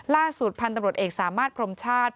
ล่าสุดพันธุ์ตำรวจเอกสามารถพรมชาติ